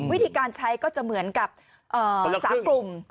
วิธีการใช้ก็จะเหมือนกับ๓กลุ่ม